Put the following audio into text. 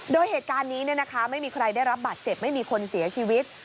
โดยเหตุการณ์นี้ไม่มีใครได้รับบาดเจ็บไม่มีคนเสียชีวิต